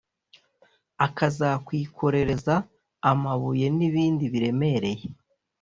Akazakwikorereza amabuye nibindi biremereye